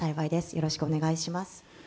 よろしくお願いします。